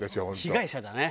被害者だね！